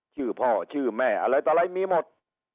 ชื่อพ่อชื่อแม่อะไรมีหมด